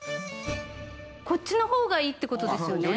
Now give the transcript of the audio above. こっちの方がいいって事ですよね？